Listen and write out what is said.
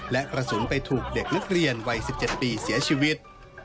และกระสุนไปถูกเด็กนักเรียนวัย๑๗ปีเสียชีวิต